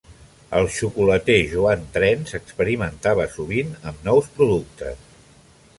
El xocolater Joan Trens experimentava sovint amb nous productes.